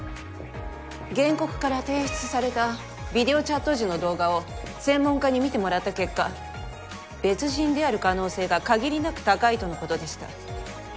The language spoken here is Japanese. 原告から提出されたビデオチャット時の動画を専門家に見てもらった結果別人である可能性が限りなく高いとのことでした。